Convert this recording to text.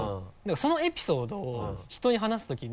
そのエピソードを人に話すときに